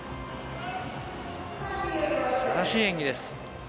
素晴らしい演技です。